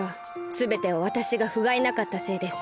すべてはわたしがふがいなかったせいです。